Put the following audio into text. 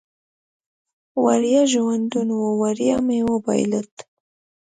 وړیا ژوندون و، وړیا مې بایلود